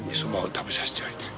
食べさせてやりたい。